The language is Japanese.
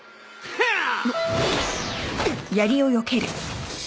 ハッ！